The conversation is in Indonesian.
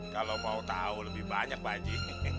kalau mau tahu lebih banyak baju